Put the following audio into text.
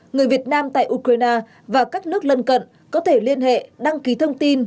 người việt nam tại ukraine và các nước lân cận có thể liên hệ đăng ký thông tin